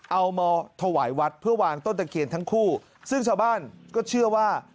เอามาถวายวัดเพื่อวางต้นตะเคียนทั้งคู่ซึ่งชาวบ้านก็เชื่อว่า